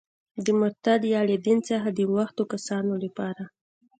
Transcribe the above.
د مرتد یا له دین څخه د اوښتو کسانو لپاره.